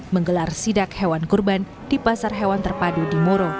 menggelar sidak hewan kurban di pasar hewan terpadu di moro